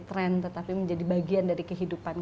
tren tetapi menjadi bagian dari kehidupan